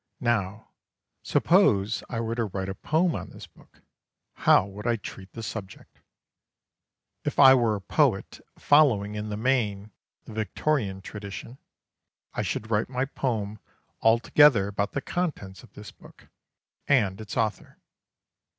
Now, suppose I were to write a poem on this book, how would I treat the subject? If I were a poet following in the main the Victorian tradition, I should write my poem altogether about the contents of this book and its author.